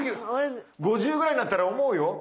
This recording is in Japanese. ５０歳ぐらいになったら思うよ。